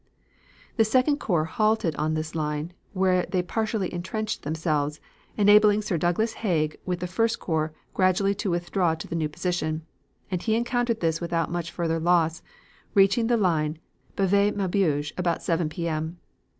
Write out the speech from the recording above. "The Second Corps halted on this line, where they partially intrenched themselves, enabling Sir Douglas Haig with the First Corps gradually to withdraw to the new position; and he effected this without much further loss, reaching the line Bavai Maubeuge about 7 P. M.